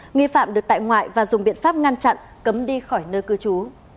nghi phạm được tại ngoại và dùng biện pháp ngăn chặn cấm đi khỏi nơi cư trú